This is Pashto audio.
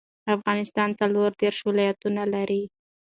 افغانستان څلور دیرش ولايتونه لري